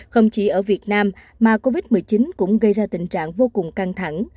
không chỉ ở việt nam mà covid một mươi chín cũng gây ra tình trạng vô cùng căng thẳng